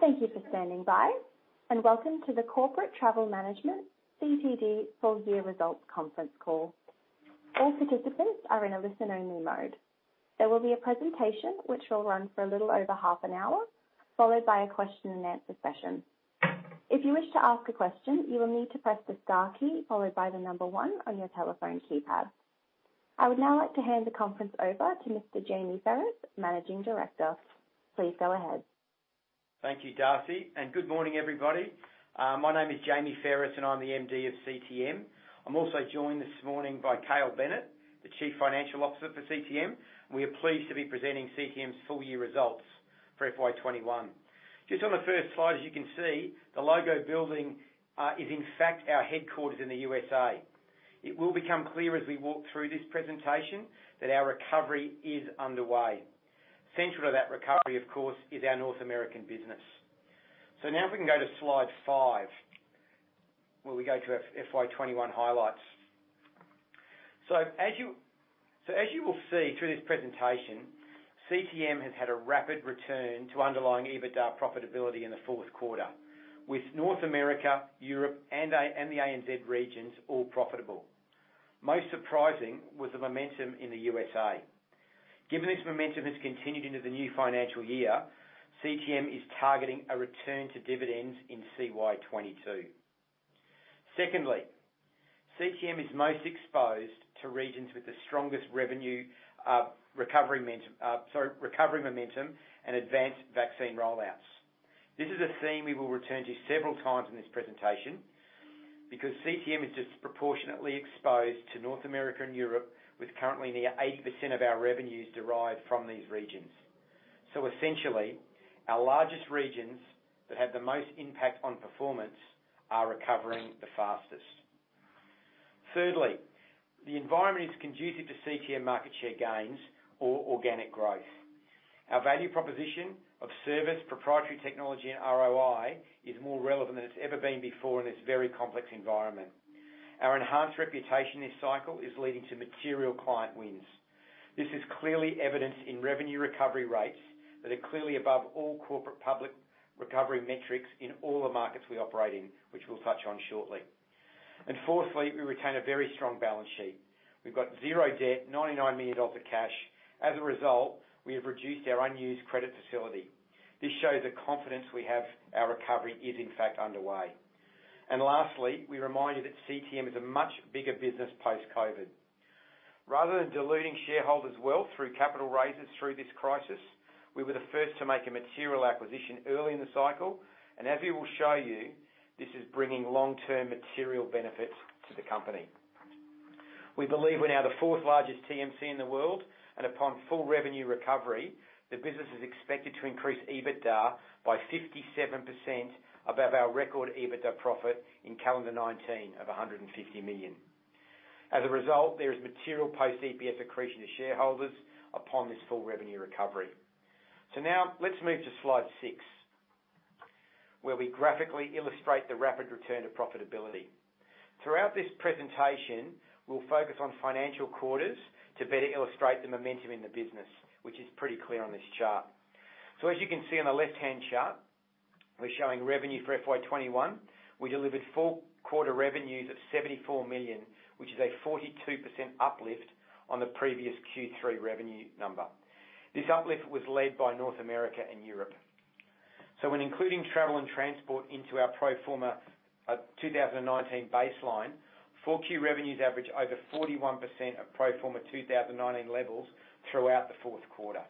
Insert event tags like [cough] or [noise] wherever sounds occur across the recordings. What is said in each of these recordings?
Thank you for standing by, and welcome to the Corporate Travel Management, CTM, Full Year Results conference call. All participants are in a listen-only mode. There will be a presentation which will run for a little over half an hour, followed by a question and answer session. If you wish to ask a question, you will need to press the star key followed by the number one on your telephone keypad. I would now like to hand the conference over to Mr. Jamie Pherous, Managing Director. Please go ahead. Thank you, Darcy, and good morning, everybody. My name is Jamie Pherous and I'm the MD of CTM. I'm also joined this morning by Cale Bennett, the Chief Financial Officer for CTM. We are pleased to be presenting CTM's full year results for FY2021. Just on the first slide, as you can see, the logo building is in fact our headquarters in the U.S.A. It will become clear as we walk through this presentation that our recovery is underway. Central to that recovery, of course, is our North American business. Now if we can go to slide five, where we go to our FY2021 highlights. As you will see through this presentation, CTM has had a rapid return to underlying EBITDA profitability in the fourth quarter with North America, Europe, and the ANZ regions all profitable. Most surprising was the momentum in the U.S.A. Given this momentum has continued into the new financial year, CTM is targeting a return to dividends in CY2022. Secondly, CTM is most exposed to regions with the strongest revenue recovery momentum and advanced vaccine rollouts. This is a theme we will return to several times in this presentation because CTM is disproportionately exposed to North America and Europe, with currently near 80% of our revenues derived from these regions. Essentially, our largest regions that have the most impact on performance are recovering the fastest. Thirdly, the environment is conducive to CTM market share gains or organic growth. Our value proposition of service, proprietary technology, and ROI is more relevant than it's ever been before in this very complex environment. Our enhanced reputation this cycle is leading to material client wins. This is clearly evidenced in revenue recovery rates that are clearly above all corporate public recovery metrics in all the markets we operate in, which we'll touch on shortly. Fourthly, we retain a very strong balance sheet. We've got zero debt, 99 million dollars of cash. As a result, we have reduced our unused credit facility. This shows the confidence we have our recovery is in fact underway. Lastly, we remind you that CTM is a much bigger business post-COVID. Rather than diluting shareholders' wealth through capital raises through this crisis, we were the first to make a material acquisition early in the cycle, and as we will show you, this is bringing long-term material benefits to the company. We believe we're now the fourth largest TMC in the world, and upon full revenue recovery, the business is expected to increase EBITDA by 57% above our record EBITDA profit in calendar 2019 of 150 million. As a result, there is material post-EPS accretion to shareholders upon this full revenue recovery. Now let's move to slide six, where we graphically illustrate the rapid return of profitability. Throughout this presentation, we'll focus on financial quarters to better illustrate the momentum in the business, which is pretty clear on this chart. As you can see on the left-hand chart, we're showing revenue for FY2021. We delivered fourth quarter revenues of 74 million, which is a 42% uplift on the previous Q3 revenue number. This uplift was led by North America and Europe. When including Travel and Transport into our pro forma 2019 baseline, 4Q revenues average over 41% of pro forma 2019 levels throughout the fourth quarter.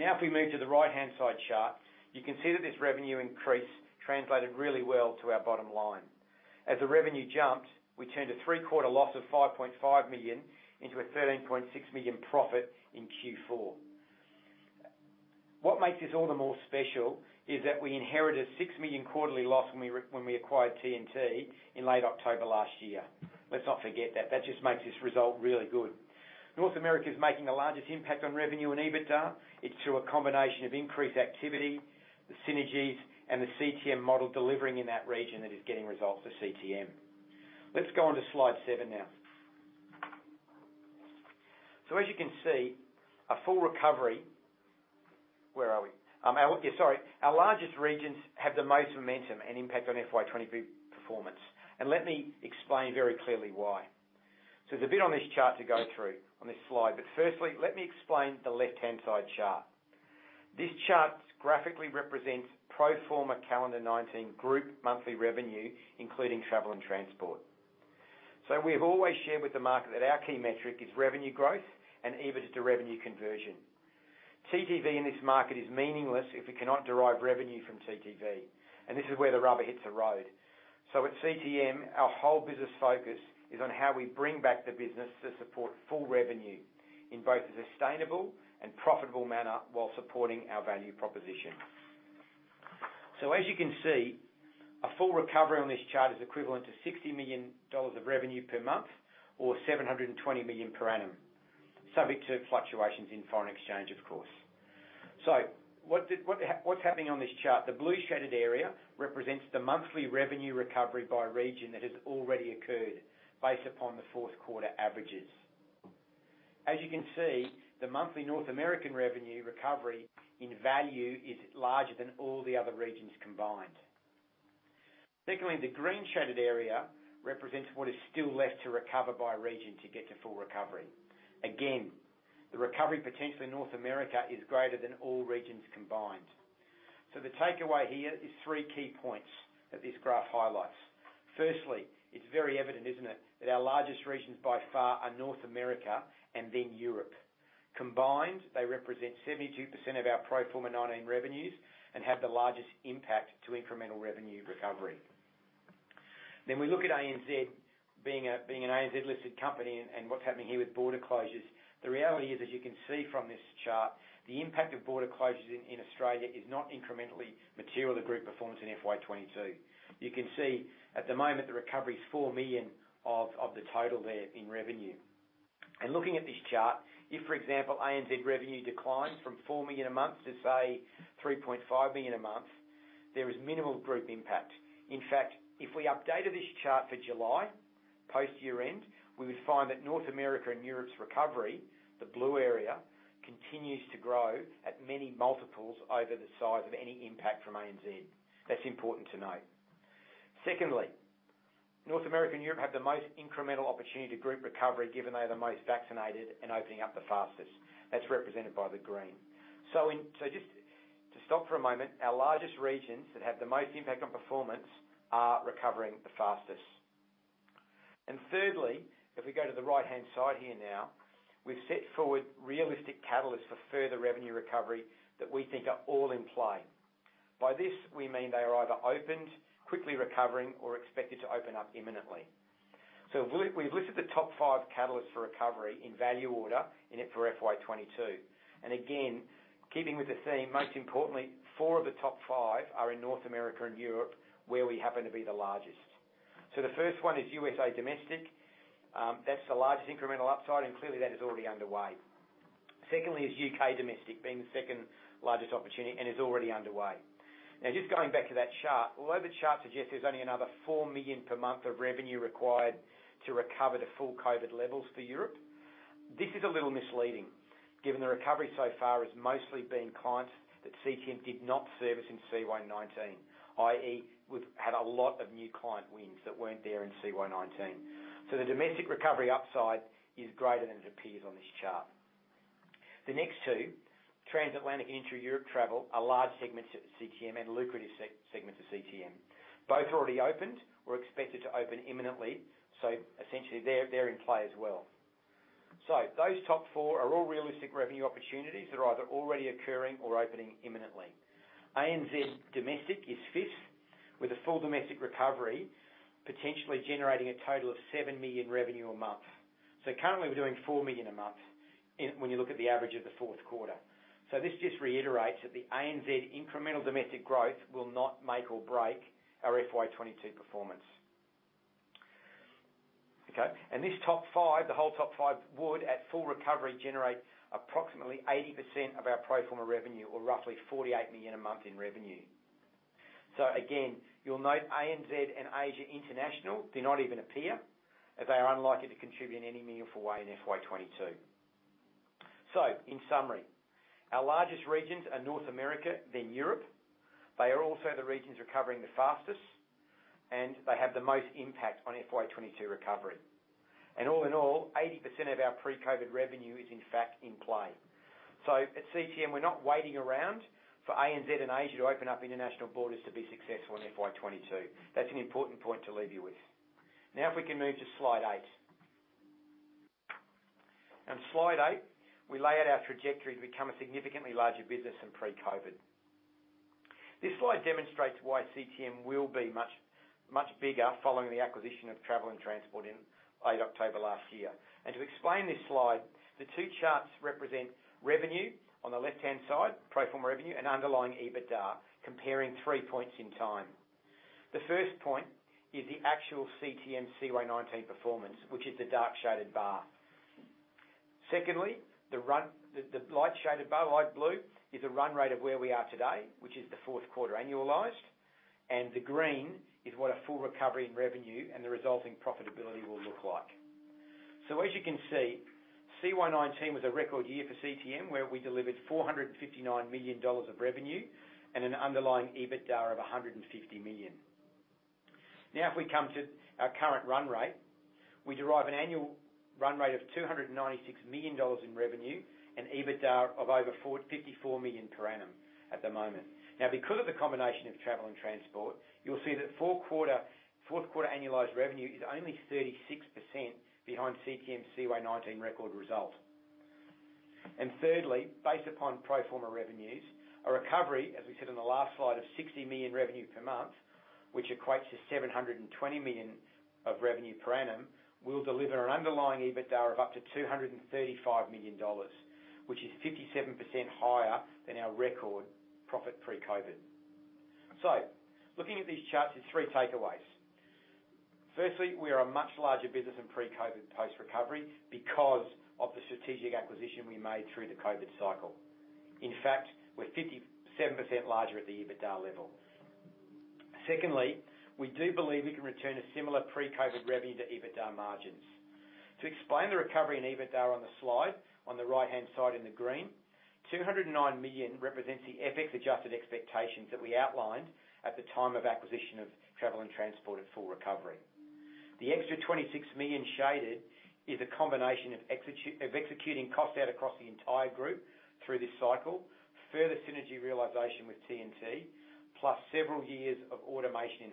If we move to the right-hand side chart, you can see that this revenue increase translated really well to our bottom line. The revenue jumped, we turned a three-quarter loss of 5.5 million into a 13.6 million profit in Q4. What makes this all the more special is that we inherited a 6 million quarterly loss when we acquired T&T in late October last year. Let's not forget that. That just makes this result really good. North America is making the largest impact on revenue and EBITDA. It's through a combination of increased activity, the synergies, and the CTM model delivering in that region that is getting results for CTM. Let's go on to slide seven now. As you can see, our largest regions have the most momentum and impact on FY 2023 performance. Let me explain very clearly why. There's a bit on this chart to go through on this slide. Firstly, let me explain the left-hand side chart. This chart graphically represents pro forma calendar 2019 group monthly revenue, including Travel and Transport. We have always shared with the market that our key metric is revenue growth and EBITDA to revenue conversion. TTV in this market is meaningless if we cannot derive revenue from TTV, and this is where the rubber hits the road. At CTM, our whole business focus is on how we bring back the business to support full revenue in both a sustainable and profitable manner while supporting our value proposition. As you can see, a full recovery on this chart is equivalent to 60 million dollars of revenue per month or 720 million per annum, subject to fluctuations in foreign exchange, of course. What's happening on this chart? The blue shaded area represents the monthly revenue recovery by region that has already occurred based upon the fourth quarter averages. As you can see, the monthly North American revenue recovery in value is larger than all the other regions combined. Secondly, the green shaded area represents what is still left to recover by region to get to full recovery. Again, the recovery potential in North America is greater than all regions combined. The takeaway here is three key points that this graph highlights. Firstly, it's very evident, isn't it? That our largest regions by far are North America and then Europe. Combined, they represent 72% of our pro forma FY 2019 revenues and have the largest impact to incremental revenue recovery. We look at ANZ being an ANZ-listed company and what's happening here with border closures. The reality is, as you can see from this chart, the impact of border closures in Australia is not incrementally material to group performance in FY 2022. You can see at the moment the recovery is 4 million of the total there in revenue. Looking at this chart, if, for example, ANZ revenue declines from 4 million a month to, say, 3.5 million a month, there is minimal group impact. In fact, if we updated this chart for July post-year-end, we would find that North America and Europe's recovery, the blue area, continues to grow at many multiples over the size of any impact from ANZ. That's important to note. Secondly, North America and Europe have the most incremental opportunity to group recovery given they are the most vaccinated and opening up the fastest. That's represented by the green. Just to stop for a moment, our largest regions that have the most impact on performance are recovering the fastest. Thirdly, if we go to the right-hand side here now, we've set forward realistic catalysts for further revenue recovery that we think are all in play. By this, we mean they are either opened, quickly recovering, or expected to open up imminently. We've listed the top five catalysts for recovery in value order in it for FY 2022. Again, keeping with the theme, most importantly, four of the top five are in North America and Europe, where we happen to be the largest. The first one is U.S.A. Domestic. That's the largest incremental upside, and clearly that is already underway. Secondly is U.K. domestic, being the second largest opportunity and is already underway. Just going back to that chart, although the chart suggests there's only another 4 million per month of revenue required to recover to full COVID levels for Europe, this is a little misleading given the recovery so far has mostly been clients that CTM did not service in CY2019, i.e., we've had a lot of new client wins that weren't there in CY2019. The domestic recovery upside is greater than it appears on this chart. The next two, Transatlantic Intra-Europe travel, are large segments at CTM and lucrative segments of CTM. Both already opened or expected to open imminently. Essentially, they're in play as well. Those top four are all realistic revenue opportunities that are either already occurring or opening imminently. ANZ domestic is fifth, with a full domestic recovery potentially generating a total of 7 million revenue a month. Currently we're doing 4 million a month when you look at the average of the fourth quarter. This just reiterates that the ANZ incremental domestic growth will not make or break our FY 2022 performance. This top five, the whole top five would, at full recovery, generate approximately 80% of our pro forma revenue or roughly 48 million a month in revenue. Again, you'll note ANZ and Asia International do not even appear as they are unlikely to contribute any meaningful way in FY 2022. In summary, our largest regions are North America, then Europe. They are also the regions recovering the fastest. They have the most impact on FY 2022 recovery. All in all, 80% of our pre-COVID revenue is in fact in play. At CTM, we're not waiting around for ANZ and Asia to open up international borders to be successful in FY 2022. That's an important point to leave you with. If we can move to slide eight. On slide eight, we lay out our trajectory to become a significantly larger business than pre-COVID. This slide demonstrates why CTM will be much bigger following the acquisition of Travel and Transport in October 8 last year. To explain this slide, the two charts represent revenue on the left-hand side, pro forma revenue, and underlying EBITDA, comparing three points in time. The first point is the actual CTM CY2019 performance, which is the dark shaded bar. Secondly, the light shaded bar, light blue, is a run rate of where we are today, which is the fourth quarter annualized. The green is what a full recovery in revenue and the resulting profitability will look like. As you can see, CY2019 was a record year for CTM, where we delivered 459 million dollars of revenue and an underlying EBITDA of 150 million. If we come to our current run rate, we derive an annual run rate of 296 million dollars in revenue and EBITDA of over 54 million per annum at the moment. Because of the combination of Travel and Transport, you will see that fourth quarter annualized revenue is only 36% behind CTM's CY2019 record result. Thirdly, based upon pro forma revenues, a recovery, as we said on the last slide, of 60 million revenue per month, which equates to 720 million of revenue per annum, will deliver an underlying EBITDA of up to AUD 235 million, which is 57% higher than our record profit pre-COVID. Looking at these charts, there's three takeaways. Firstly, we are a much larger business than pre-COVID post-recovery because of the strategic acquisition we made through the COVID cycle. In fact, we're 57% larger at the EBITDA level. Secondly, we do believe we can return a similar pre-COVID revenue to EBITDA margins. To explain the recovery in EBITDA on the slide, on the right-hand side in the green, 209 million represents the FX adjusted expectations that we outlined at the time of acquisition of Travel and Transport at full recovery. The extra 26 million shaded is a combination of executing cost-out across the entire group through this cycle. Further synergy realization with T&T, plus several years of automation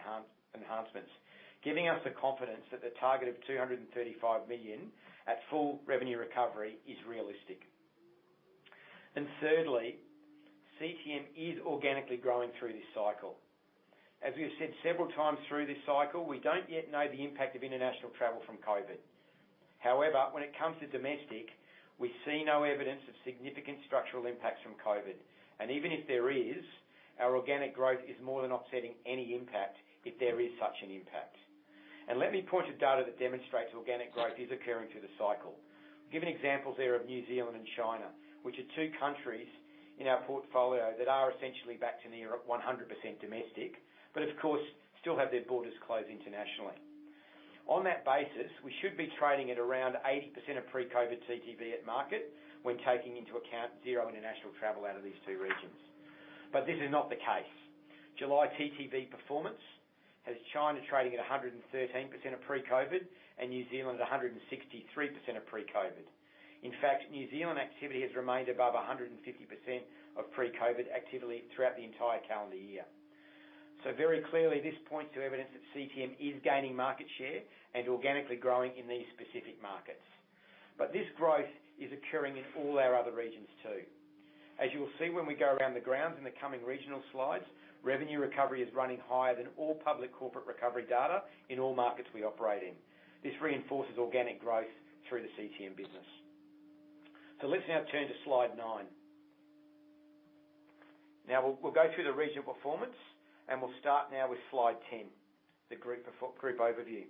enhancements, giving us the confidence that the target of 235 million at full revenue recovery is realistic. Thirdly, CTM is organically growing through this cycle. As we have said several times through this cycle, we don't yet know the impact of international travel from COVID. When it comes to domestic, we see no evidence of significant structural impacts from COVID. Even if there is, our organic growth is more than offsetting any impact, if there is such an impact. Let me point to data that demonstrates organic growth is occurring through the cycle. Given examples there of New Zealand and China, which are two countries in our portfolio that are essentially back to near 100% domestic, of course, still have their borders closed internationally. On that basis, we should be trading at around 80% of pre-COVID TTV at market when taking into account zero international travel out of these two regions. This is not the case. July TTV performance has China trading at 113% of pre-COVID and New Zealand at 163% of pre-COVID. In fact, New Zealand activity has remained above 150% of pre-COVID activity throughout the entire calendar year. Very clearly, this points to evidence that CTM is gaining market share and organically growing in these specific markets. This growth is occurring in all our other regions too. As you will see when we go around the grounds in the coming regional slides, revenue recovery is running higher than all public corporate recovery data in all markets we operate in. This reinforces organic growth through the CTM business. Let's now turn to slide nine. We'll go through the regional performance, and we'll start now with slide 10, the group overview.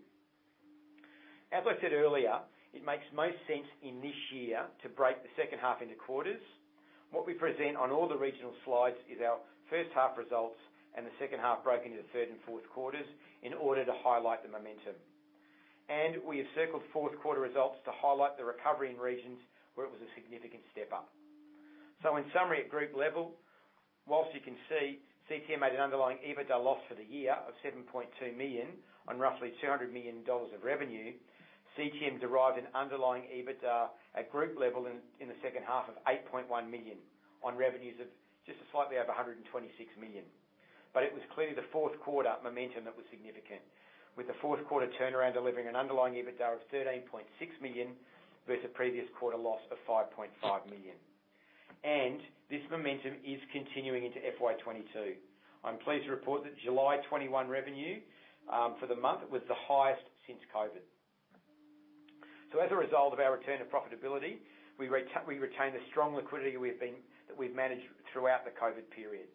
As I said earlier, it makes most sense in this year to break the second half into quarters. What we present on all the regional slides is our first half results and the second half broke into the third and fourth quarters in order to highlight the momentum. We have circled fourth quarter results to highlight the recovery in regions where it was a significant step up. In summary, at group level, whilst you can see CTM made an underlying EBITDA loss for the year of 7.2 million on roughly 200 million dollars of revenue. CTM derived an underlying EBITDA at group level in the second half of 8.1 million on revenues of just slightly over 126 million. It was clearly the fourth quarter momentum that was significant, with the fourth quarter turnaround delivering an underlying EBITDA of 13.6 million versus previous quarter loss of 5.5 million. This momentum is continuing into FY 2022. I am pleased to report that July 2021 revenue, for the month was the highest since COVID. As a result of our return to profitability, we retain the strong liquidity that we've managed throughout the COVID period.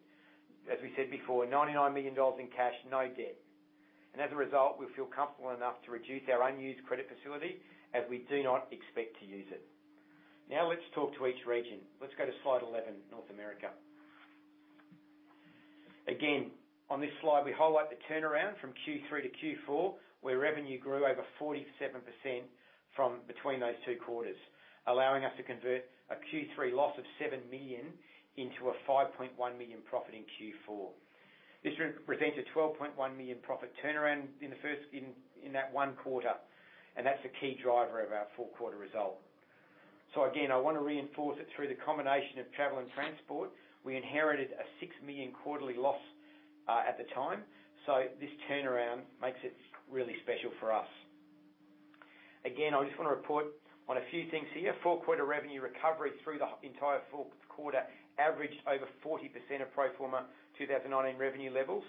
As we said before, 99 million dollars in cash, no debt. As a result, we feel comfortable enough to reduce our unused credit facility as we do not expect to use it. Let's talk to each region. Let's go to slide 11, North America. Again, on this slide, we highlight the turnaround from Q3 to Q4, where revenue grew over 47% from between those two quarters, allowing us to convert a Q3 loss of 7 million into a 5.1 million profit in Q4. This presents a 12.1 million profit turnaround in that one quarter, and that's the key driver of our fourth quarter result. Again, I want to reinforce it through the combination of Travel and Transport. We inherited a 6 million quarterly loss at the time. This turnaround makes it really special for us. Again, I just want to report on a few things here. Fourth quarter revenue recovery through the entire fourth quarter averaged over 40% of pro forma 2019 revenue levels,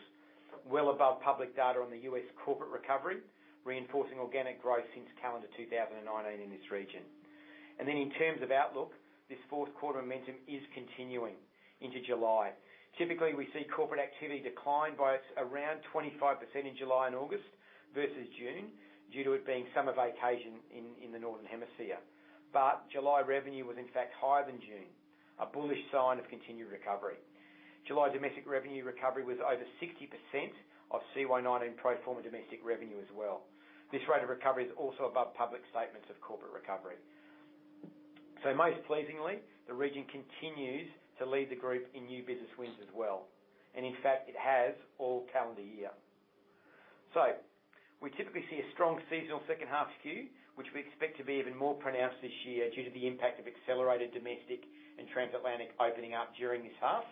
well above public data on the U.S. corporate recovery, reinforcing organic growth since calendar 2019 in this region. Then in terms of outlook, this fourth quarter momentum is continuing into July. Typically, we see corporate activity decline by around 25% in July and August versus June, due to it being summer vacation in the Northern Hemisphere. July revenue was in fact higher than June, a bullish sign of continued recovery. July domestic revenue recovery was over 60% of CY 2019 pro forma domestic revenue as well. This rate of recovery is also above public statements of corporate recovery. Most pleasingly, the region continues to lead the group in new business wins as well. In fact, it has all calendar year. We typically see a strong seasonal second half skew, which we expect to be even more pronounced this year due to the impact of accelerated domestic and transatlantic opening up during this half.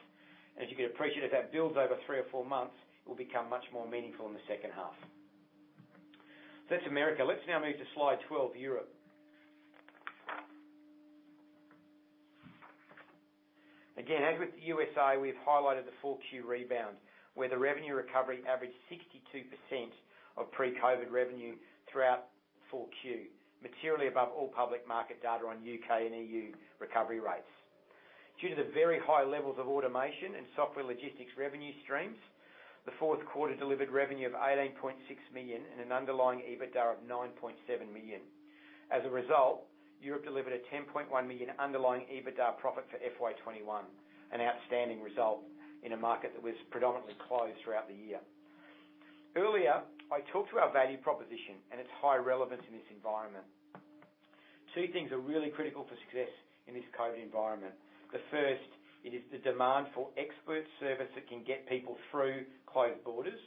As you can appreciate, as that builds over three or four months, it will become much more meaningful in the second half. That's U.S. Let's now move to slide 12, Europe. As with the U.S.A., we've highlighted the full Q rebound, where the revenue recovery averaged 62% of pre-COVID revenue throughout full Q, materially above all public market data on U.K. and E.U. recovery rates. Due to the very high levels of automation and software logistics revenue streams, the fourth quarter delivered revenue of 18.6 million and an underlying EBITDA of 9.7 million. As a result, Europe delivered a 10.1 million underlying EBITDA profit for FY 2021, an outstanding result in a market that was predominantly closed throughout the year. Earlier, I talked to our value proposition and its high relevance in this environment. Two things are really critical for success in this COVID environment. The first is the demand for expert service that can get people through closed borders.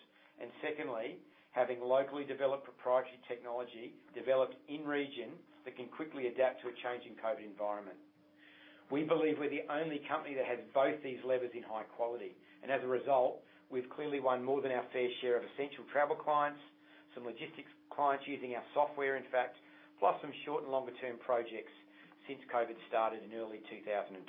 Secondly, having locally developed proprietary technology developed in region that can quickly adapt to a changing COVID environment. We believe we're the only company that has both these levers in high quality. As a result, we've clearly won more than our fair share of essential travel clients, some logistics clients using our software, in fact, plus some short and longer-term projects since COVID started in early 2020.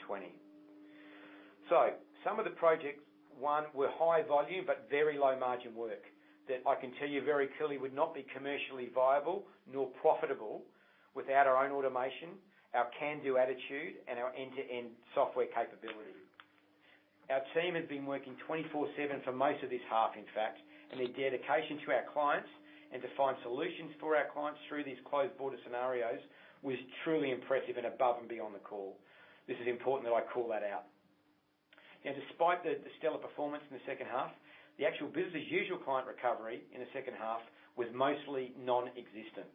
Some of the projects were high volume but very low margin work that I can tell you very clearly would not be commercially viable nor profitable without our own automation, our can-do attitude, and our end-to-end software capability. Our team has been working 24/7 for most of this half, in fact. Their dedication to our clients and to find solutions for our clients through these closed border scenarios was truly impressive and above and beyond the call. This is important that I call that out. Despite the stellar performance in the second half, the actual business-as-usual client recovery in the second half was mostly nonexistent,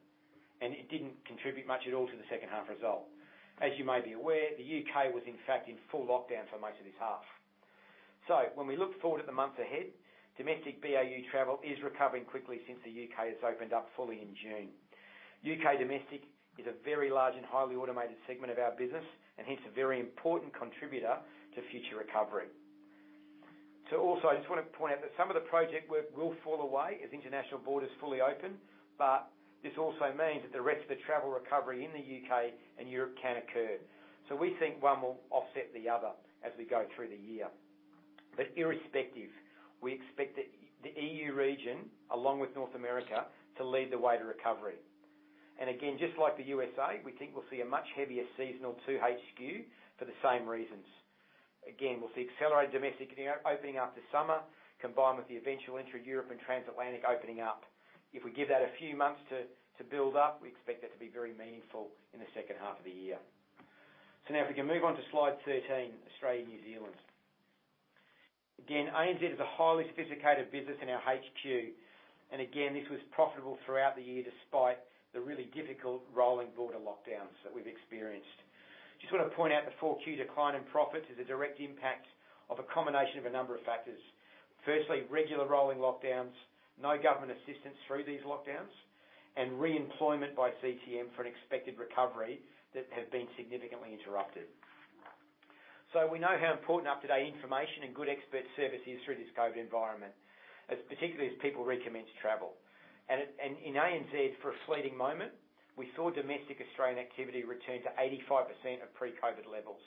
and it didn't contribute much at all to the second half result. As you may be aware, the U.K. was in fact in full lockdown for most of this half. When we look forward at the months ahead, domestic BAU travel is recovering quickly since the U.K. has opened up fully in June. U.K. Domestic is a very large and highly automated segment of our business, and hence a very important contributor to future recovery. I just want to point out that some of the project work will fall away as international borders fully open. This also means that the rest of the travel recovery in the U.K. and Europe can occur. We think one will offset the other as we go through the year. Irrespective, we expect that the E.U. region, along with North America, to lead the way to recovery. Again, just like the U.S.A., we think we'll see a much heavier seasonal 2H skew for the same reasons. Again, we'll see accelerated domestic opening up this summer, combined with the eventual entry of Europe and transatlantic opening up. If we give that a few months to build up, we expect that to be very meaningful in the second half of the year. Now if we can move on to slide 13, Australia and New Zealand. Again, ANZ is a highly sophisticated business in our HQ. Again, this was profitable throughout the year despite the really difficult rolling border lockdowns that we've experienced. Just want to point out the 4Q decline in profit is a direct impact of a combination of a number of factors. Regular rolling lockdowns, no government assistance through these lockdowns, and re-employment by CTM for an expected recovery that have been significantly interrupted. We know how important up-to-date information and good expert service is through this COVID environment, particularly as people recommence travel. In ANZ, for a fleeting moment, we saw domestic Australian activity return to 85% of pre-COVID levels.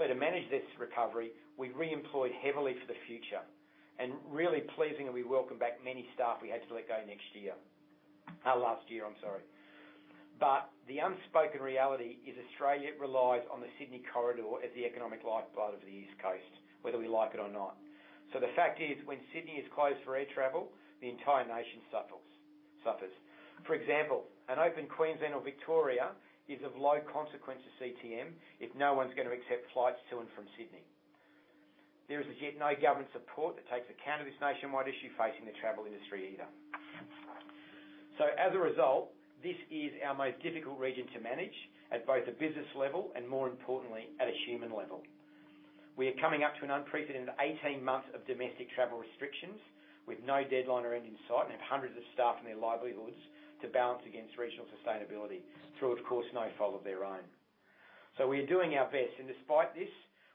To manage this recovery, we reemployed heavily for the future, and really pleasing that we welcome back many staff we had to let go last year. The unspoken reality is Australia relies on the Sydney corridor as the economic lifeblood of the East Coast, whether we like it or not. The fact is, when Sydney is closed for air travel, the entire nation suffers. For example, an open Queensland or Victoria is of low consequence to CTM if no one's going to accept flights to and from Sydney. There is as yet no government support that takes account of this nationwide issue facing the travel industry either. As a result, this is our most difficult region to manage at both a business level and, more importantly, at a human level. We are coming up to an unprecedented 18 months of domestic travel restrictions with no deadline or end in sight and have hundreds of staff and their livelihoods to balance against regional sustainability through, of course, no fault of their own. We are doing our best, and despite this,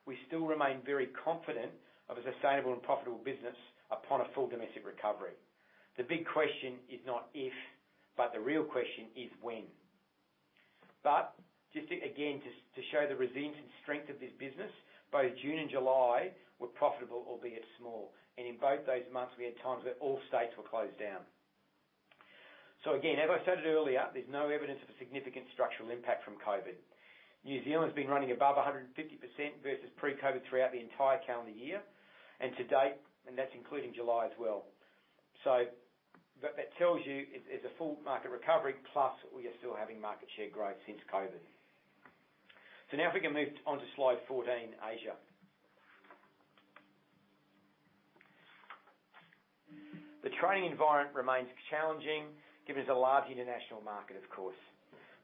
we still remain very confident of a sustainable and profitable business upon a full domestic recovery. The big question is not if, but the real question is when. Just again, to show the resilience and strength of this business, both June and July were profitable, albeit small. In both those months, we had times where all states were closed down. Again, as I stated earlier, there's no evidence of a significant structural impact from COVID. New Zealand's been running above 150% versus pre-COVID throughout the entire calendar year and to date, and that's including July as well. That tells you it's a full market recovery, plus we are still having market share growth since COVID. Now if we can move on to slide 14, Asia. The trading environment remains challenging given it's a large international market, of course.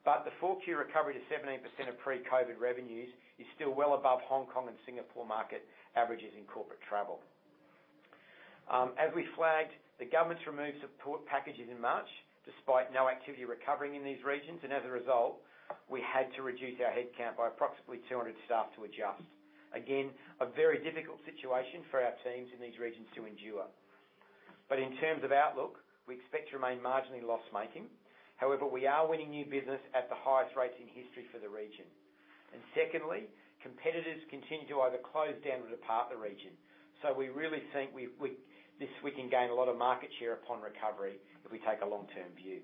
The full year recovery to 17% of pre-COVID revenues is still well above Hong Kong and Singapore market averages in corporate travel. As we flagged, the governments removed support packages in March despite no activity recovering in these regions. As a result, we had to reduce our headcount by approximately 200 staff to adjust. Again, a very difficult situation for our teams in these regions to endure. In terms of outlook, we expect to remain marginally loss-making. However, we are winning new business at the highest rates in history for the region. Secondly, competitors continue to either close down or depart the region. We really think we can gain a lot of market share upon recovery if we take a long-term view.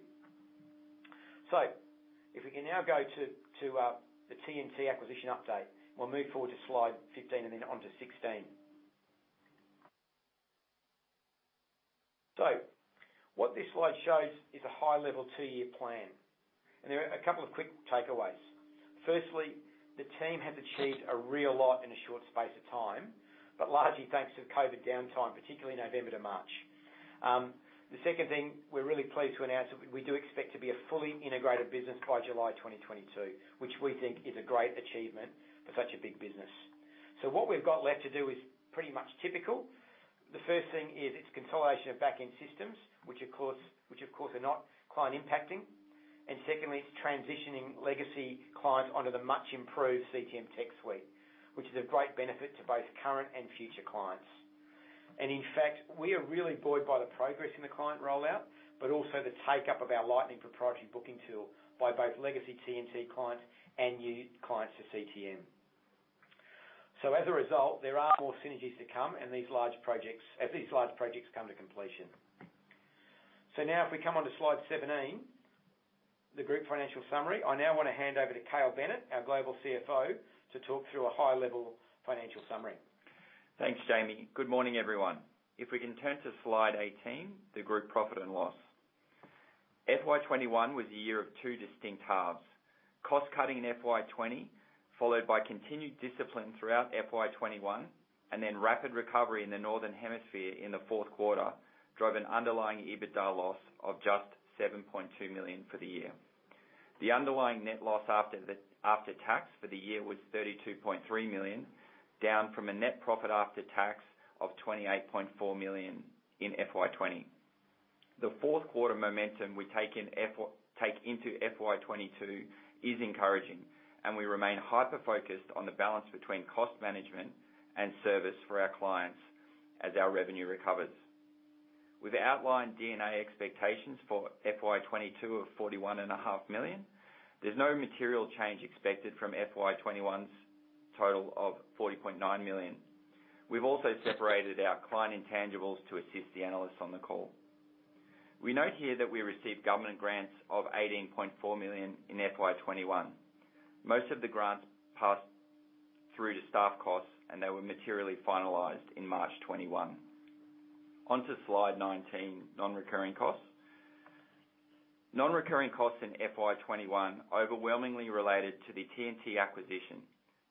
If we can now go to the T&T acquisition update. We will move forward to slide 15 and then on to 16. What this slide shows is a high-level two-year plan. There are a couple of quick takeaways. The team has achieved a real lot in a short space of time, but largely thanks to the COVID downtime, particularly November to March. The second thing we're really pleased to announce, that we do expect to be a fully integrated business by July 2022, which we think is a great achievement for such a big business. What we've got left to do is pretty much typical. The first thing is it's consolidation of back-end systems, which of course, are not client-impacting. Secondly, it's transitioning legacy clients onto the much-improved CTM tech suite, which is a great benefit to both current and future clients. In fact, we are really buoyed by the progress in the client rollout, but also the take-up of our Lightning proprietary booking tool by both legacy T&T clients and new clients to CTM. As a result, there are more synergies to come as these large projects come to completion. Now if we come onto slide 17, the group financial summary, I now want to hand over to Cale Bennett, our Global CFO, to talk through a high-level financial summary. Thanks, Jamie. Good morning, everyone. If we can turn to slide 18, the group profit and loss. FY 2021 was a year of two distinct halves. Cost-cutting in FY 2020, followed by continued discipline throughout FY 2021, and then rapid recovery in the Northern Hemisphere in the fourth quarter, drove an underlying EBITDA loss of just 7.2 million for the year. The underlying net loss after tax for the year was 32.3 million, down from a net profit after tax of 28.4 million in FY 2020. The fourth quarter momentum we take into FY 2022 is encouraging, and we remain hyper-focused on the balance between cost management and service for our clients as our revenue recovers. We've outlined D&A expectations for FY 2022 of 41.5 million. There's no material change expected from FY 2021's total of 40.9 million. We've also separated our client intangibles to assist the analysts on the call. We note here that we received government grants of 18.4 million in FY 2021. Most of the grants passed through to staff costs, and they were materially finalized in March 2021. Onto slide 19, non-recurring costs. Non-recurring costs in FY 2021 overwhelmingly related to the T&T acquisition,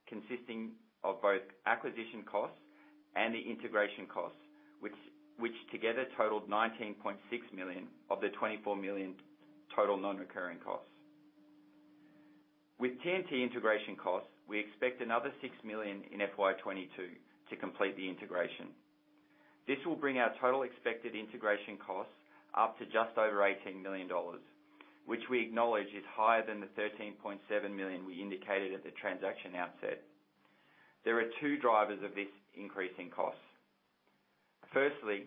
consisting of both acquisition costs and the integration costs, which together totaled 19.6 million of the 24 million total non-recurring costs. With T&T integration costs, we expect another 6 million in FY 2022 to complete the integration. This will bring our total expected integration costs up to just over 18 million dollars, which we acknowledge is higher than the 13.7 million we indicated at the transaction outset. There are two drivers of this increase in costs. Firstly,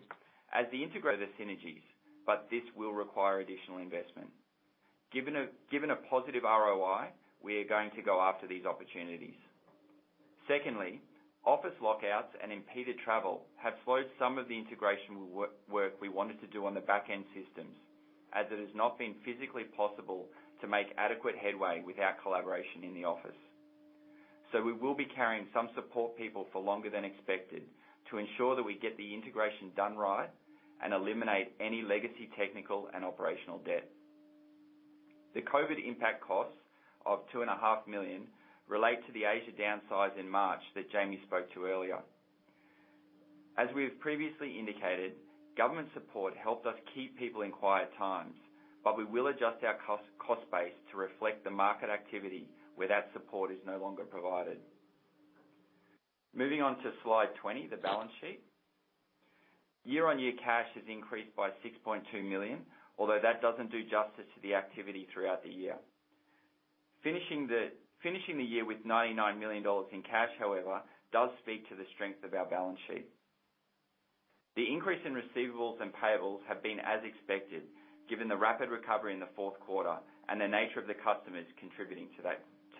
as the integration synergies, but this will require additional investment. Given a positive ROI, we are going to go after these opportunities. Secondly, office lockouts and impeded travel have slowed some of the integration work we wanted to do on the back-end systems, as it has not been physically possible to make adequate headway with our collaboration in the office. We will be carrying some support people for longer than expected to ensure that we get the integration done right and eliminate any legacy technical and operational debt. The COVID impact costs of 2.5 Million relate to the Asia downsize in March that Jamie spoke to earlier. As we have previously indicated, government support helped us keep people in quiet times, but we will adjust our cost base to reflect the market activity where that support is no longer provided. Moving on to slide 20, the balance sheet. Year-on-year cash has increased by 6.2 million, although that doesn't do justice to the activity throughout the year. Finishing the year with 99 million dollars in cash, however, does speak to the strength of our balance sheet. The increase in receivables and payables have been as expected, given the rapid recovery in the fourth quarter and the nature of the customers contributing to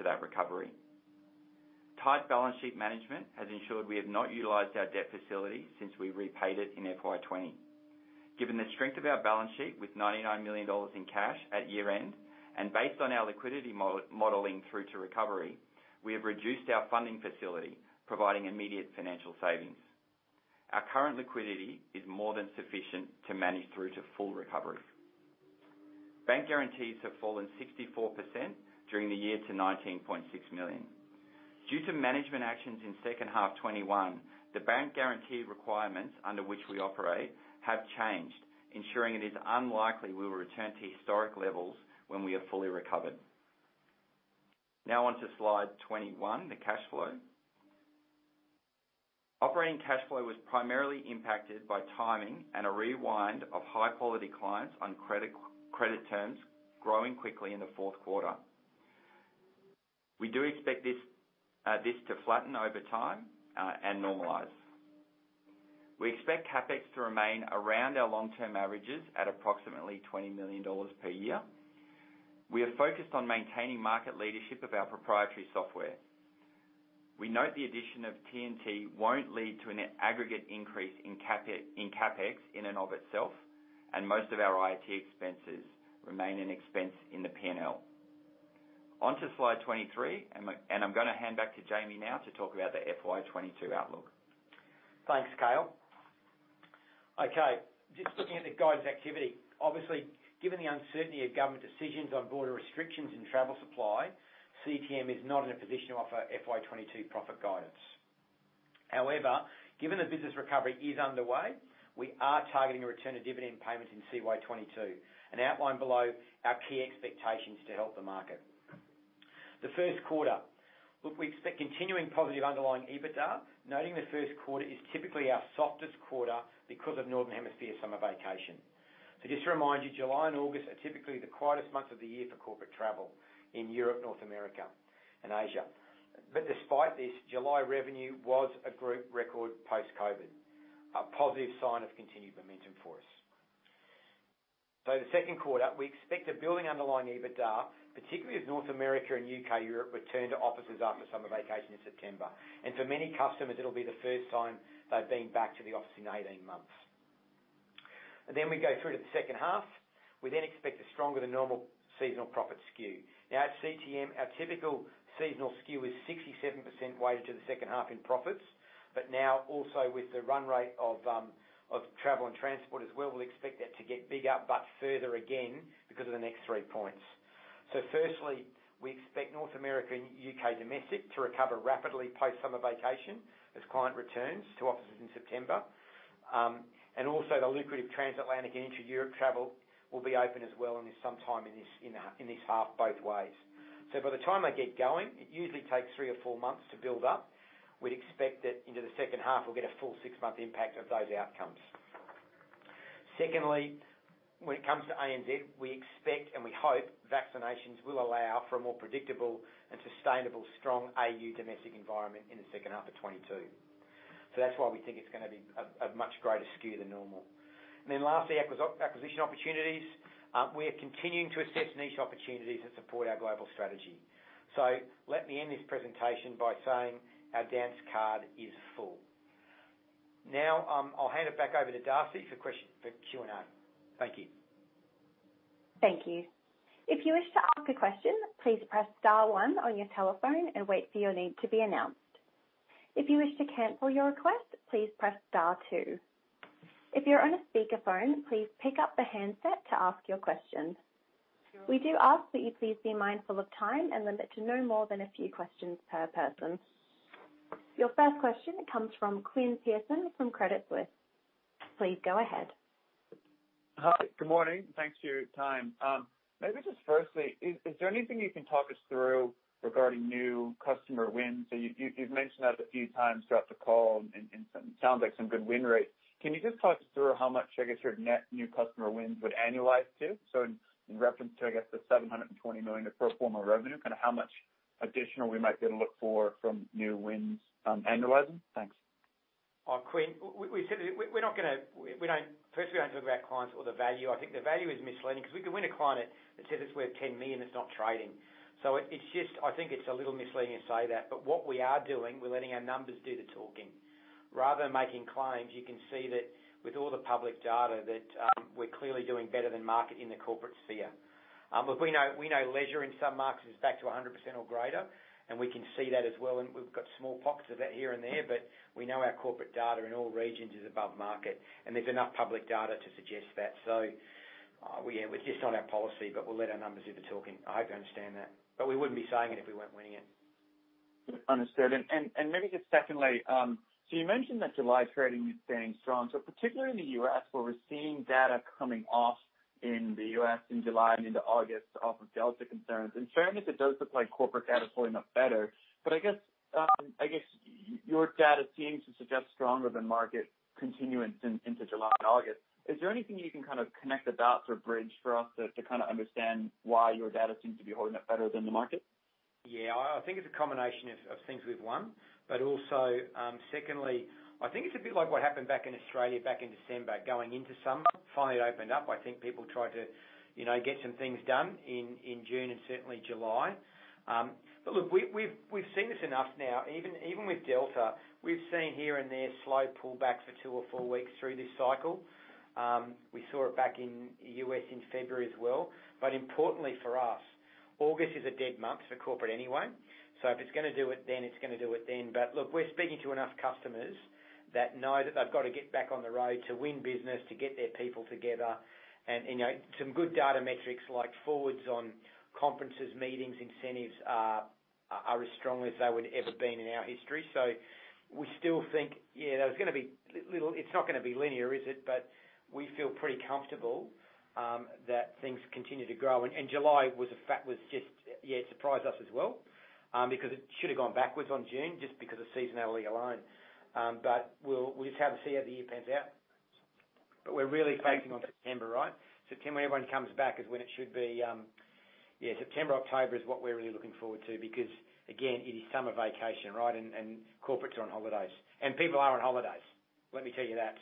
that recovery. Tight balance sheet management has ensured we have not utilized our debt facility since we repaid it in FY 2020. Given the strength of our balance sheet with 99 million dollars in cash at year-end, and based on our liquidity modeling through to recovery, we have reduced our funding facility, providing immediate financial savings. Our current liquidity is more than sufficient to manage through to full recovery. Bank guarantees have fallen 64% during the year to 19.6 million. Due to management actions in second half 2021, the bank guarantee requirements under which we operate have changed, ensuring it is unlikely we will return to historic levels when we are fully recovered. On to slide 21, the cash flow. Operating cash flow was primarily impacted by timing and a rewind of high-quality clients on credit terms growing quickly in the fourth quarter. We do expect this to flatten over time and normalize. We expect CapEx to remain around our long-term averages at approximately 20 million dollars per year. We are focused on maintaining market leadership of our proprietary software. We note the addition of T&T won't lead to a net aggregate increase in CapEx in and of itself, and most of our IT expenses remain an expense in the P&L. On to slide 23, and I'm going to hand back to Jamie now to talk about the FY 2022 outlook. Thanks, Cale. Just looking at the guidance activity. Given the uncertainty of government decisions on border restrictions and travel supply, CTM is not in a position to offer FY 2022 profit guidance. Given the business recovery is underway, we are targeting a return of dividend payments in CY 2022 and outlined below our key expectations to help the market. The first quarter. We expect continuing positive underlying EBITDA, noting the first quarter is typically our softest quarter because of Northern Hemisphere summer vacation. Just to remind you, July and August are typically the quietest months of the year for corporate travel in Europe, North America, and Asia. Despite this, July revenue was a group record post-COVID, a positive sign of continued momentum for us. The second quarter, we expect a building underlying EBITDA, particularly as North America and U.K. Europe return to offices after summer vacation in September. For many customers, it'll be the first time they've been back to the office in 18 months. We go through to the second half. We expect a stronger than normal seasonal profit skew. At CTM, our typical seasonal skew is 67% weighted to the second half in profits. Now also with the run rate of Travel and Transport as well, we'll expect that to get bigger, but further again because of the next three points. Firstly, we expect North America and U.K. Domestic to recover rapidly post-summer vacation as client returns to offices in September. Also, the lucrative transatlantic and inter-Europe travel will be open as well and sometime in this half, both ways. By the time they get going, it usually takes three or four months to build up. We'd expect that into the second half we'll get a full six-month impact of those outcomes. Secondly, when it comes to ANZ, we expect and we hope vaccinations will allow for a more predictable and sustainable strong AU domestic environment in the second half of 2022. That's why we think it's going to be a much greater skew than normal. Lastly, acquisition opportunities. We are continuing to assess niche opportunities that support our global strategy. Let me end this presentation by saying our dance card is full. Now, I'll hand it back over to Darcy for Q&A. Thank you. Thank you. If you wish to ask a question, please press star one on your telephone and wait for your name to be announced. If you wish to cancel your request, please press star two. If you're on a speakerphone, please pick up the handset to ask your question. We do ask that you please be mindful of time and limit to no more than a few questions per person. Your first question comes from Quinn Pierson from Credit Suisse. Please go ahead. Hi. Good morning. Thanks for your time. Maybe just firstly, is there anything you can talk us through regarding new customer wins? You've mentioned that a few times throughout the call and sounds like some good win rates. Can you just talk us through how much, I guess, your net new customer wins would annualize to? In reference to, I guess, the 720 million of pro forma revenue, kind of how much additional we might be able to look for from new wins annualizing? Thanks. Quinn, firstly, we don't talk about clients or the value. I think the value is misleading because we could win a client that says it's worth 10 million that's not trading. I think it's a little misleading to say that. What we are doing, we're letting our numbers do the talking. Rather than making claims, you can see that with all the public data that we're clearly doing better than market in the corporate sphere. Look, we know leisure in some markets is back to 100% or greater, and we can see that as well. We've got small pockets of that here and there, but we know our corporate data in all regions is above market. There's enough public data to suggest that. It's just not our policy, but we'll let our numbers do the talking. I hope you understand that. We wouldn't be saying it if we weren't winning it. Understood. Maybe just secondly, you mentioned that July trading is staying strong. Particularly in the U.S. where we're seeing data coming off in the U.S. in July and into August off of Delta concerns. Fairness, it does look like corporate data is holding up better. I guess your data seems to suggest stronger than market continuance into July and August. Is there anything you can kind of connect the dots or bridge for us to kind of understand why your data seems to be holding up better than the market? I think it's a combination of things we've won. Also, secondly, I think it's a bit like what happened back in Australia back in December going into summer. Finally, it opened up. I think people tried to get some things done in June and certainly July. Look, we've seen this enough now. Even with Delta, we've seen here and there slow pullbacks for two or four weeks through this cycle. We saw it back in the U.S. in February as well. Importantly for us, August is a dead month for corporate anyway. If it's going to do it then, it's going to do it then. Look, we're speaking to enough customers that know that they've got to get back on the road to win business, to get their people together. Some good data metrics like forwards on conferences, meetings, incentives are as strong as they would ever been in our history. We still think it's not going to be linear, is it? We feel pretty comfortable that things continue to grow. July was just, it surprised us as well because it should have gone backwards on June just because of seasonality alone. We'll just have to see how the year pans out. We're really focusing on September, right? September, everyone comes back is when it should be. September, October is what we're really looking forward to because, again, it is summer vacation, right? Corporates are on holidays. People are on holidays. Let me tell you that.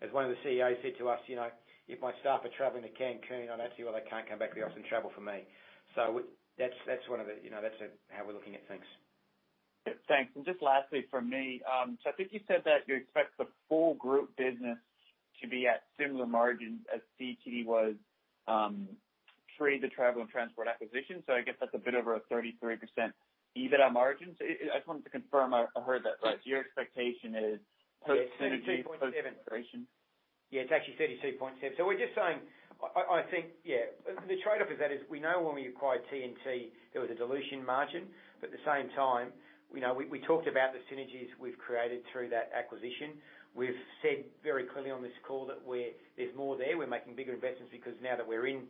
As one of the CEOs said to us, "If my staff are traveling to Cancun, I don't see why they can't come back to the office and travel for me." That's how we're looking at things. Thanks. Just lastly for me, I think you said that you expect the full group business to be at similar margins as CTM was pre the Travel and Transport acquisition. I guess that's a bit over a 33% EBITDA margin. I just wanted to confirm I heard that right. Your expectation is post synergy, post integration. It's actually 32.7%. We're just saying, the trade-off is that we know when we acquired T&T, there was a dilution margin. At the same time, we talked about the synergies we've created through that acquisition. We've said very clearly on this call that there's more there. We're making bigger investments because now that we're in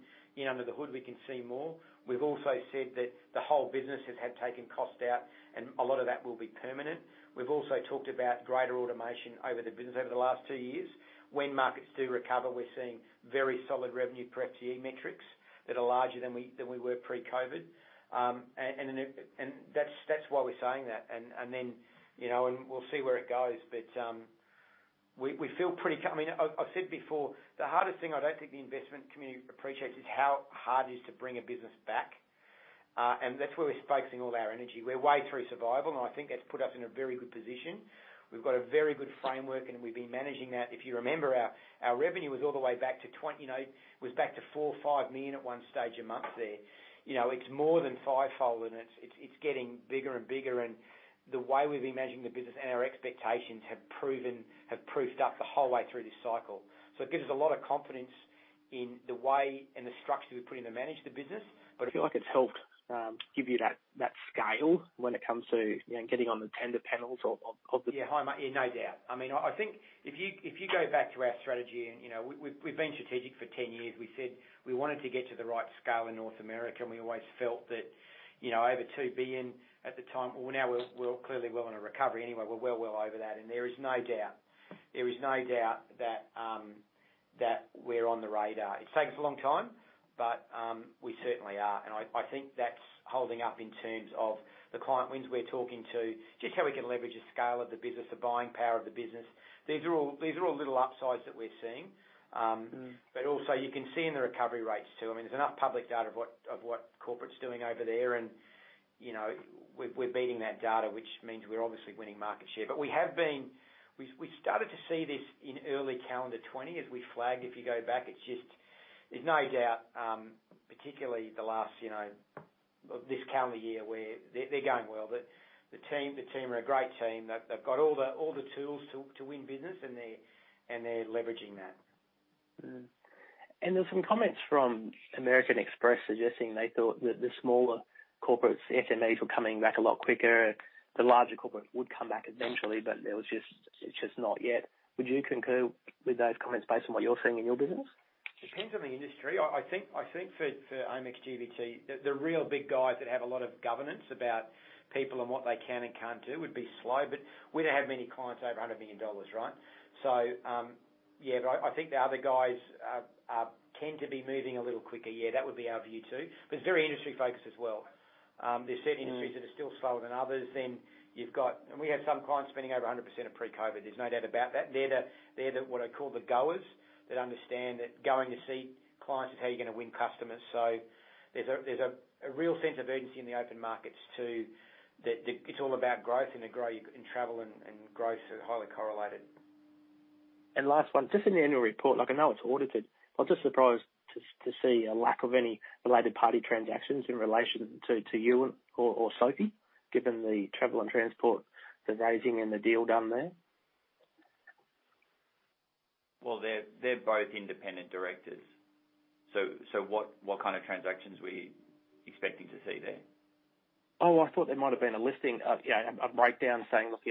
under the hood, we can see more. We've also said that the whole business has taken cost out, a lot of that will be permanent. We've also talked about greater automation over the business over the last two years. When markets do recover, we're seeing very solid revenue per FTE metrics that are larger than we were pre-COVID. That's why we're saying that. We'll see where it goes. I've said before, the hardest thing I don't think the investment community appreciates is how hard it is to bring a business back. That's where we're focusing all our energy. We're way through survival, and I think that's put us in a very good position. We've got a very good framework, and we've been managing that. If you remember, our revenue was all the way back to 4 million, 5 million at one stage a month there. It's more than five-fold, and it's getting bigger and bigger. The way we've been managing the business and our expectations have proofed up the whole way through this cycle. It gives us a lot of confidence in the way and the structure we put in to manage the business. I feel like it's helped give you that scale when it comes to getting on the tender panels of the-. Yeah. No doubt. I think if you go back to our strategy, and we've been strategic for 10 years. We said we wanted to get to the right scale in North America, and we always felt that over 2 billion at the time. Well, now we're clearly well on a recovery anyway. We're well over that, and there is no doubt. There is no doubt that we're on the radar. It's taken us a long time, but we certainly are. I think that's holding up in terms of the client wins we're talking to, just how we can leverage the scale of the business, the buying power of the business. These are all little upsides that we're seeing. Also you can see in the recovery rates, too. There's enough public data of what corporate's doing over there, and we're beating that data, which means we're obviously winning market share. We started to see this in early calendar 2020 as we flagged, if you go back. There's no doubt, particularly this calendar year, they're going well. The team are a great team. They've got all the tools to win business, and they're leveraging that. There's some comments from American Express suggesting they thought that the smaller corporates, SMEs, were coming back a lot quicker. The larger corporate would come back eventually, but it's just not yet. Would you concur with those comments based on what you're seeing in your business? Depends on the industry. I think for Amex GBT, the real big guys that have a lot of governance about people and what they can and can't do would be slow. We don't have many clients over 100 million dollars, right? Yeah. I think the other guys tend to be moving a little quicker. Yeah, that would be our view, too. It's very industry-focused as well. There's certain industries that are still slower than others. We have some clients spending over 100% of pre-COVID. There's no doubt about that. They're what I call the goers that understand that going to see clients is how you're going to win customers. There's a real sense of urgency in the open markets, too, that it's all about growth, and travel and growth are highly correlated. Last one. Just in the annual report, like I know it's audited. I was just surprised to see a lack of any related party transactions in relation to you or Sophie, given the Travel and Transport divesting and the deal done there. Well, they're both independent directors. What kind of transactions were you expecting to see there? Oh, I thought there might've been a listing of, yeah, a breakdown saying, "Look,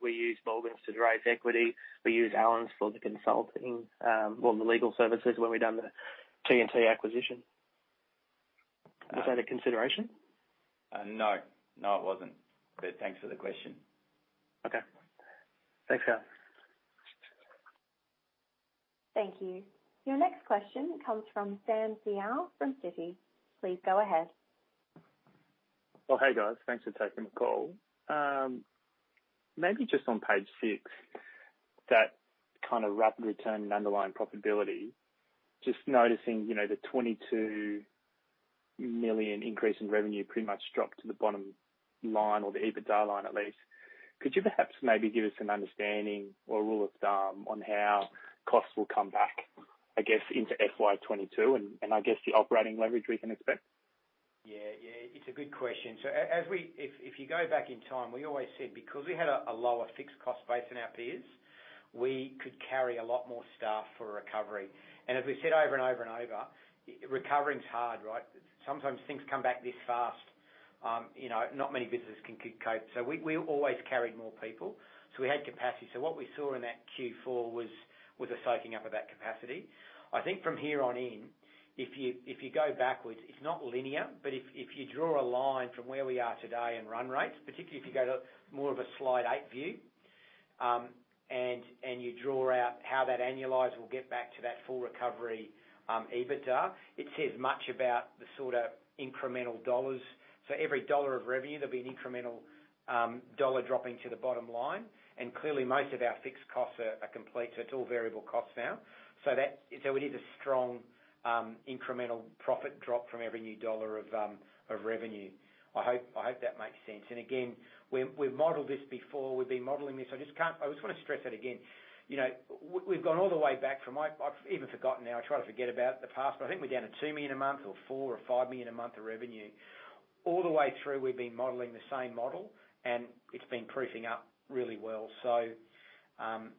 we used Morgans to raise equity. We used Allens for the consulting or the legal services when we done the T&T acquisition." Was that a consideration? No. No, it wasn't. Thanks for the question. Okay. Thanks, guys. Thank you. Your next question comes from Sam Teeger from Citi. Please go ahead. Well, hey, guys. Thanks for taking the call. Maybe just on page six, that kind of rapid return in underlying profitability, just noticing the 22 million increase in revenue pretty much dropped to the bottom line or the EBITDA line, at least. Could you perhaps maybe give us an understanding or a rule of thumb on how costs will come back, I guess, into FY 2022, and I guess the operating leverage we can expect? Yeah. It's a good question. If you go back in time, we always said because we had a lower fixed cost base than our peers, we could carry a lot more staff for a recovery. As we've said over and over and over, recovering's hard, right? Sometimes things come back this fast. Not many businesses can cope. We always carried more people, so we had capacity. What we saw in that Q4 was a soaking up of that capacity. I think from here on in, if you go backwards, it's not linear. If you draw a line from where we are today in run rates, particularly if you go to more of a slide eight view, and you draw out how that annualize will get back to that full recovery EBITDA, it says much about the sort of incremental dollars. Every AUD of revenue, there'll be an incremental AUD dropping to the bottom line. Clearly, most of our fixed costs are complete, so it's all variable costs now. We need a strong incremental profit drop from every new AUD of revenue. I hope that makes sense. Again, we've modeled this before. We've been modeling this. I just want to stress that again. We've gone all the way back. I've even forgotten now. I try to forget about the past, but I think we're down to 2 million a month or 4 million or 5 million a month of revenue. All the way through, we've been modeling the same model, and it's been proofing up really well.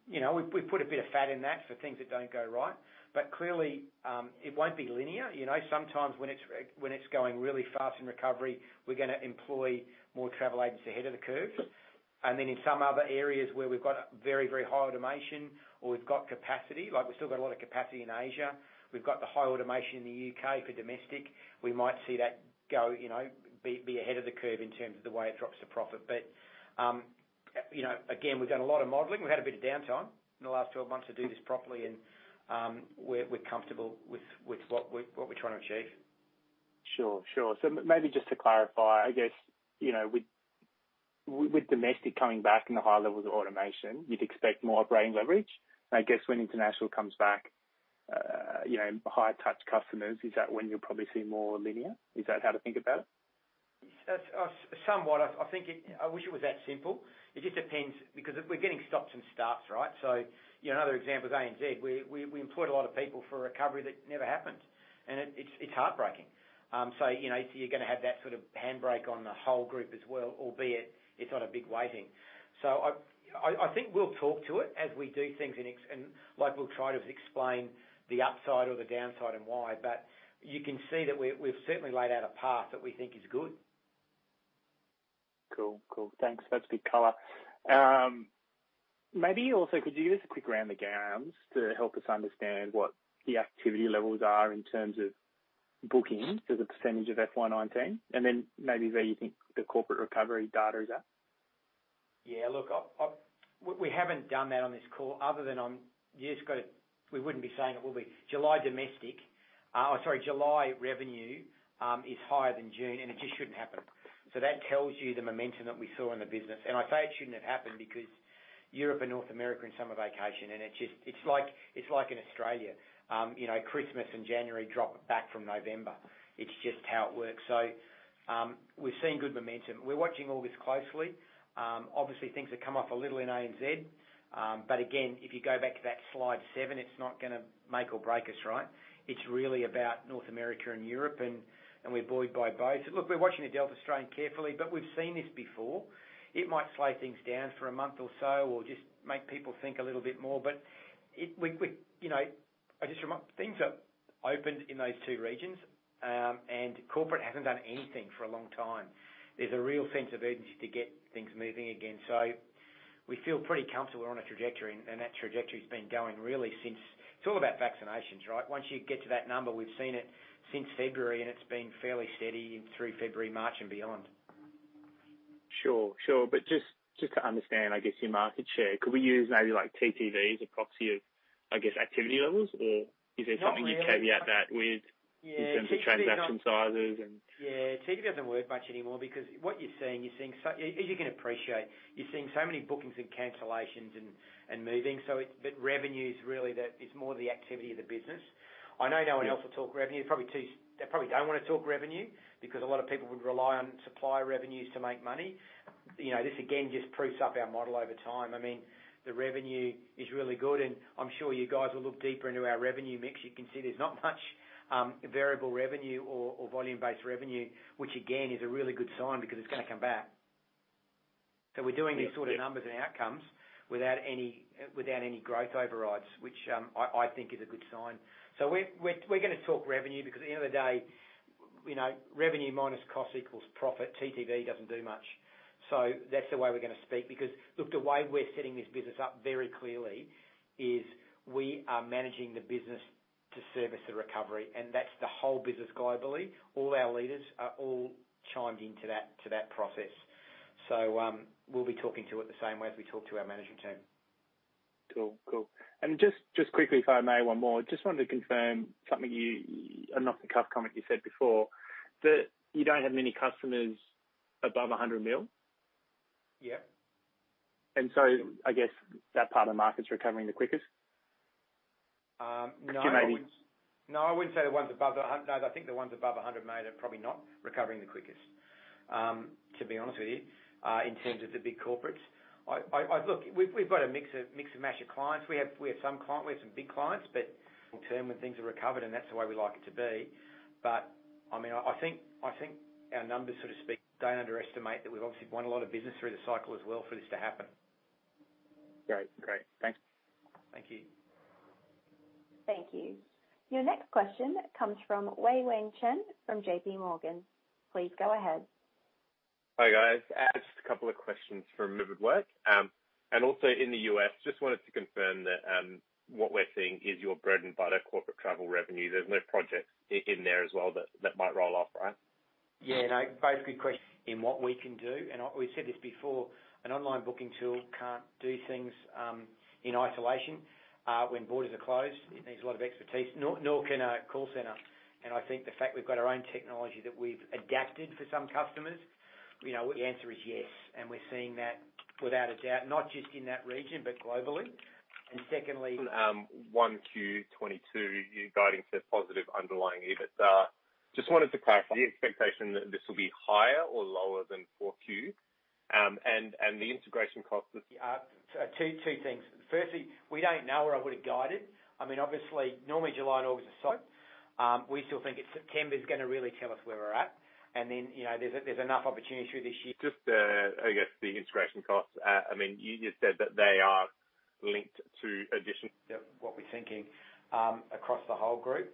We've put a bit of fat in that for things that don't go right. Clearly, it won't be linear. Sometimes when it's going really fast in recovery, we're going to employ more travel agents ahead of the curve. In some other areas where we've got very high automation or we've got capacity, like we've still got a lot of capacity in Asia, we've got the high automation in the U.K. for domestic. We might see that be ahead of the curve in terms of the way it drops the profit. We've done a lot of modeling. We've had a bit of downtime in the last 12 months to do this properly, and we're comfortable with what we're trying to achieve. Sure. Maybe just to clarify, I guess, with Domestic coming back and the high levels of automation, you'd expect more operating leverage. I guess when International comes back, higher touch customers, is that when you'll probably see more linear? Is that how to think about it? Somewhat. I wish it was that simple. It just depends, because we're getting stops and starts, right? Another example is ANZ. We employed a lot of people for a recovery that never happened. It's heartbreaking. You're going to have that sort of handbrake on the whole group as well, albeit it's not a big weighting. I think we'll talk to it as we do things, and we'll try to explain the upside or the downside and why. You can see that we've certainly laid out a path that we think is good. Cool. Thanks. That's a big color. Also, could you give us a quick round the GMs to help us understand what the activity levels are in terms of bookings as a percentage of FY 2019? Maybe where you think the corporate recovery data is at? Yeah. Look, we wouldn't be saying it will be July domestic, or sorry, July revenue is higher than June, and it just shouldn't happen. That tells you the momentum that we saw in the business. I say it shouldn't have happened because Europe and North America in summer vacation, and it's like in Australia. Christmas and January drop back from November. It's just how it works. We're seeing good momentum. We're watching all this closely. Obviously things have come off a little in ANZ. Again, if you go back to that slide seven, it's not going to make or break us, right? It's really about North America and Europe, and we're buoyed by both. Look, we're watching the Delta strain carefully, but we've seen this before. It might slow things down for a month or so or just make people think a little bit more. Things have opened in those two regions. Corporate hasn't done anything for a long time. There's a real sense of urgency to get things moving again. We feel pretty comfortable we're on a trajectory, and that trajectory's been going really. It's all about vaccinations, right? Once you get to that number, we've seen it since February. It's been fairly steady through February, March, and beyond. Sure. Just to understand, I guess, your market share. Could we use maybe like TTV as a proxy of, I guess, activity levels? Is there something you'd caveat that with- Yeah. ...in terms of transaction sizes and? TTV doesn't work much anymore because what you're seeing, as you can appreciate, you're seeing so many bookings and cancellations and moving. Revenue is really more the activity of the business. I know no one else will talk revenue. They probably don't want to talk revenue because a lot of people would rely on supplier revenues to make money. This again just proves up our model over time. The revenue is really good; I'm sure you guys will look deeper into our revenue mix. You can see there's not much variable revenue or volume-based revenue, which again, is a really good sign because it's going to come back. We're doing these sort of numbers and outcomes without any growth overrides, which I think is a good sign. We're going to talk revenue because at the end of the day, revenue minus cost equals profit. TTV doesn't do much. That's the way we're going to speak because, look, the way we're setting this business up very clearly is we are managing the business to service the recovery, and that's the whole business globally. All our leaders are all chimed into that process. We'll be talking to it the same way as we talk to our management team. Cool. Just quickly, if I may, one more. Just wanted to confirm something, an off-the-cuff comment you said before. That you don't have many customers above 100 mil? Yeah. I guess that part of the market's recovering the quickest? No. Because you maybe- I wouldn't say the ones above the AUD 100 million. I think the ones above 100 million are probably not recovering the quickest, to be honest with you, in terms of the big corporates. Look, we've got a mix and match of clients. We have some big clients, long term when things are recovered, that's the way we like it to be. I think our numbers sort of speak. Don't underestimate that we've obviously won a lot of business through the cycle as well for this to happen. Great. Thanks. Thank you. Thank you. Your next question comes from Wei-Weng Chen from JPMorgan. Please go ahead. Hi, guys. Just a couple of questions from. [audio distortion] Also in the U.S., just wanted to confirm that what we're seeing is your bread-and-butter corporate travel revenue. There's no projects in there as well that might roll off, right? Yeah, no, both good questions. In what we can do, and we've said this before, an online booking tool can't do things in isolation when borders are closed. It needs a lot of expertise. Nor can a call center. I think the fact we've got our own technology that we've adapted for some customers, the answer is yes. We're seeing that without a doubt, not just in that region, but globally. 1Q 2022, you're guiding to positive underlying EBIT. Just wanted to clarify the expectation that this will be higher or lower than 4Q? The integration cost was- Two things. Firstly, we don't know where I would've guided. Obviously, normally July and August are slow. We still think September's gonna really tell us where we're at. There's enough opportunity through this year.... Just, I guess the integration costs. You just said that they are linked to- What we're thinking across the whole group.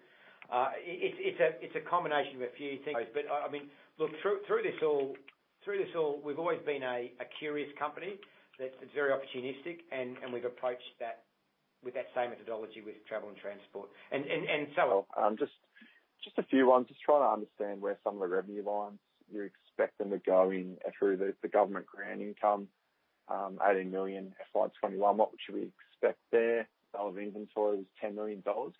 It's a combination of a few things. Look, through this all, we've always been a curious company that's very opportunistic and we've approached that with that same methodology with Travel and Transport. Just a few ones. Just trying to understand where some of the revenue lines, you expect them to go in through the government grant income, 18 million FY 2021. What should we expect there? Sale of inventory was 10 million dollars.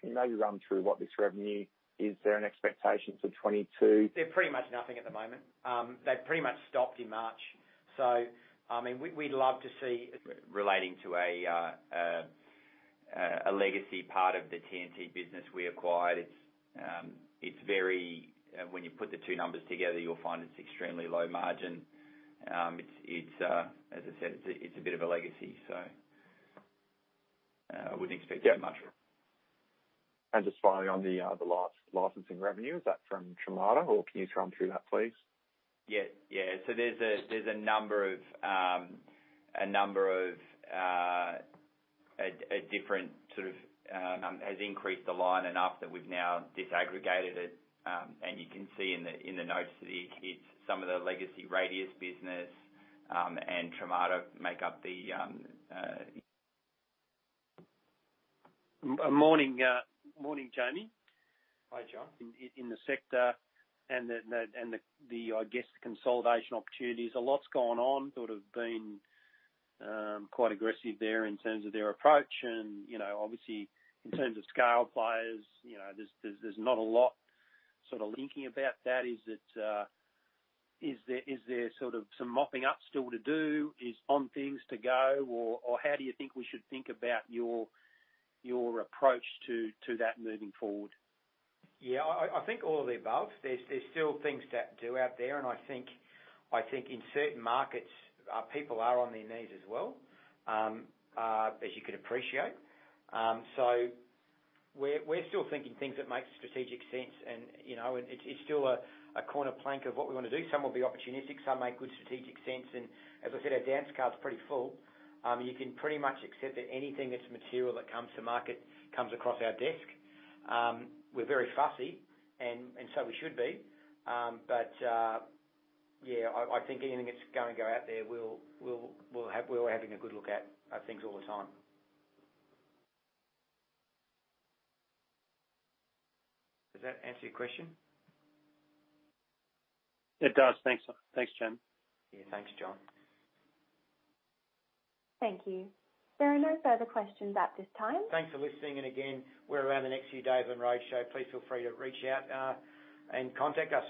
Is there an expectation for 2022? They're pretty much nothing at the moment. They pretty much stopped in March. Relating to a legacy part of the T&T business we acquired. When you put the two numbers together, you'll find it's extremely low margin. As I said, it's a bit of a legacy. I wouldn't expect too much. Yeah. Just finally on the licensing revenue, is that from Tramada or can you run through that, please? Yeah, there's a number of a different sort of has increased the line enough that we've now disaggregated it. You can see in the notes that it's some of the legacy Radius business, and Tramada make up. Morning, Jamie. Hi, John. In the sector and the, I guess, consolidation opportunities. A lot's gone on, sort of been quite aggressive there in terms of their approach and obviously in terms of scale players, there's not a lot sort of linking about that. Is there sort of some mopping up still to do? Is on things to go or how do you think we should think about your approach to that moving forward? I think all of the above. There's still things to do out there, and I think in certain markets, people are on their knees as well, as you could appreciate. We're still thinking things that make strategic sense and it's still a corner plank of what we wanna do. Some will be opportunistic, some make good strategic sense, and as I said, our dance card's pretty full. You can pretty much accept that anything that's material that comes to market comes across our desk. We're very fussy and so we should be. I think anything that's gonna go out there, we're having a good look at things all the time. Does that answer your question? It does. Thanks, Jamie. Yeah, thanks, John. Thank you. There are no further questions at this time. Thanks for listening, and again, we're around the next few days on road show. Please feel free to reach out and contact us.